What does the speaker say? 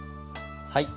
はい。